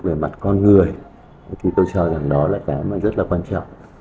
về mặt con người thì tôi cho rằng đó là cái mà rất là quan trọng